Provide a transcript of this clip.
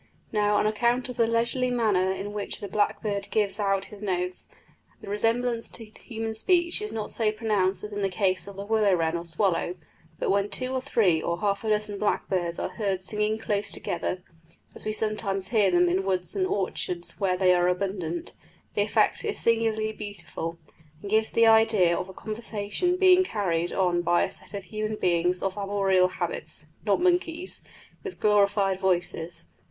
Now, on account of the leisurely manner in which the blackbird gives out his notes, the resemblance to human speech is not so pronounced as in the case of the willow wren or swallow; but when two or three or half a dozen blackbirds are heard singing close together, as we sometimes hear them in woods and orchards where they are abundant, the effect is singularly beautiful, and gives the idea of a conversation being carried on by a set of human beings of arboreal habits (not monkeys) with glorified voices.